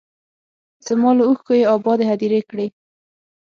زما له اوښکو یې ابادې هدیرې کړې